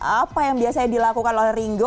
apa yang biasanya dilakukan oleh ringo